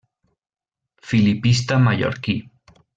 Filipista mallorquí.